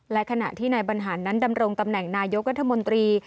และขณะที่นายบรรหารนั้นดำรงตำแหน่งนายกรัฐมนตรี